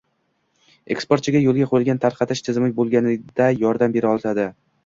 eksportchiga yo‘lga qo‘yilgan tarqatish tizimi bo‘lgandagina yordam bera oladi.